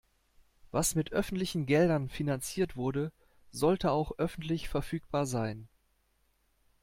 Was mit öffentlichen Geldern finanziert wurde, sollte auch öffentlich verfügbar sein.